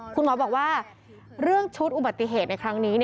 คุณหมอบอกว่าเรื่องชุดอุบัติเหตุในครั้งนี้